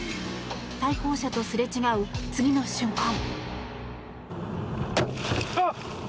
対向車とすれ違う、次の瞬間。